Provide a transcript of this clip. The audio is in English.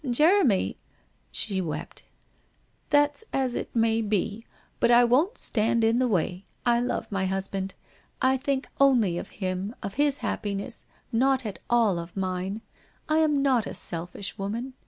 Jeremy ' she wept. ' That's all as it may be, but I won't stand in the way. I love my husband. I think only of him, of his happiness, not at all of mine ; I am not a selfish woman.